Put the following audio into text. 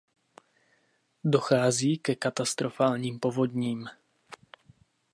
Dochází ke katastrofálním povodním.